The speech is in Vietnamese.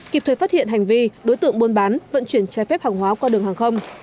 kịp thời phát hiện hành vi đối tượng buôn bán vận chuyển trái phép hàng hóa qua đường hàng không